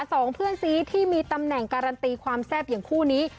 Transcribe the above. สองเพื่อนซีที่มีตำแหน่งการันตีความแซ่บอย่างคู่นี้